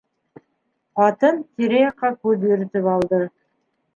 - Ҡатын тирә-яҡҡа күҙ йөрөтөп алды.